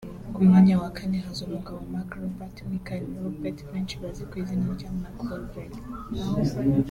Ku mwanya wa kane haza umugabo Mark Robert Michael Wahlberg benshi bazi ku izina nka Mark Wahlberg